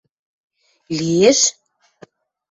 Лиэш...